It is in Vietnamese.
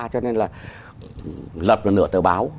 cho nên là lật một nửa tờ báo